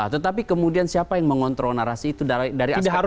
tetapi kemudian siapa yang mengontrol narasi itu dari aspek hukum